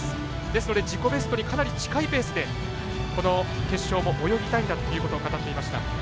ですので自己ベストにかなり近いペースでこの決勝も泳ぎたいんだと語っていました。